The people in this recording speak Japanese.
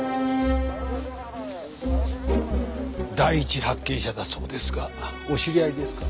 第一発見者だそうですがお知り合いですか？